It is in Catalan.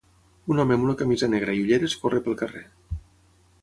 Un home amb una camisa negra i ulleres corre pel carrer